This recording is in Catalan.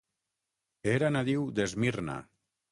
Era nadiu d'Esmirna.